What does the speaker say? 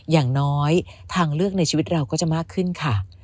อย่างน้อยทางเลือกในชีวิตเราก็จะมากขึ้นค่ะ